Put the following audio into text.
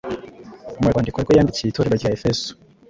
Mu rwandiko rwe yandikiye itorero rya Efeso,